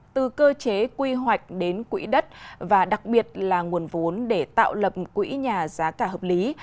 từ cơ chế quy hoạch đến quỹ đất và đặc biệt là nguồn vốn để tạo lập quỹ nhà giá cả hợp lý